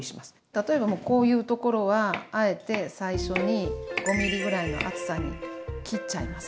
例えばもうこういうところはあえて最初に５ｍｍぐらいの厚さに切っちゃいますか。